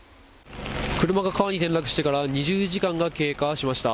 車が川に転落してから２０時間が経過しました。